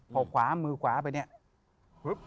พอขวามือขวาไปเนี่ย